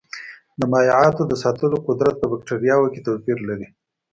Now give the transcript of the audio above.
د مایعاتو د ساتلو قدرت په بکټریاوو کې توپیر لري.